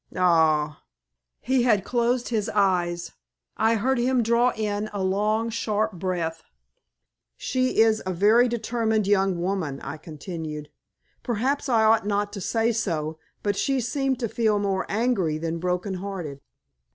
"Ah!" He had closed his eyes. I heard him draw in a long, sharp breath. "She is a very determined young woman," I continued. "Perhaps I ought not to say so, but she seemed to feel more angry than broken hearted.